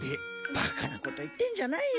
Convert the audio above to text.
バカなこと言ってんじゃないよ。